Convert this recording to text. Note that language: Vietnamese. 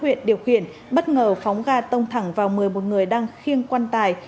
nguyễn đức huyện bất ngờ phóng ga tông thẳng vào một mươi một người đang khiêng quan tài